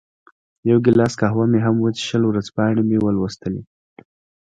یو ګیلاس قهوه مې هم وڅېښل، ورځپاڼې مې ولوستې.